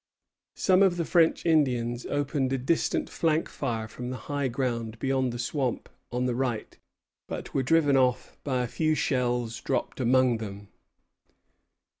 Some of the French Indians opened a distant flank fire from the high ground beyond the swamp on the right, but were driven off by a few shells dropped among them.